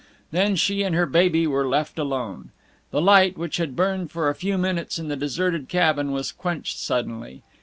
Then she and her baby were left alone. The light which had burned for a few minutes in the deserted cabin was quenched suddenly.